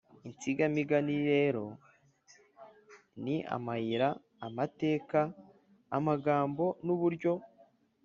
– Insigamigani rero ni amayira, amateka, amagambo, n’uburyo